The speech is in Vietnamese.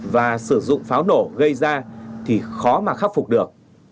và sử dụng pháo nổ gây ra thì khó mà khắc phục được